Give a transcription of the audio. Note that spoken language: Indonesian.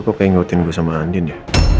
kok kayak ngeliatin gua sama adind ya